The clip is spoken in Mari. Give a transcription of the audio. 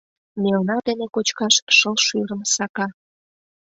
Мелна дене кочкаш шыл шӱрым сака.